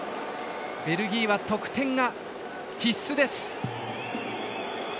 ベルギーは得点が必須です。